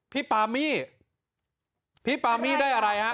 พี่ปามี่พี่ปามี่ได้อะไรฮะ